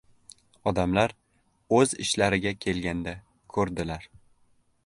• Odamlar o‘z ishlariga kelganda ko‘rdirlar.